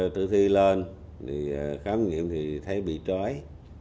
từ khi lên khám nghiệm thì thấy bị trói